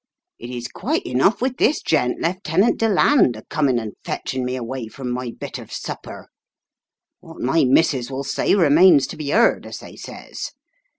It is quite enough with this gent, Lieutenant Deland, The House of Shadows 47 a coming and fetching me away from my bit of supper. What my missis will say remains to be 'eard, as they says.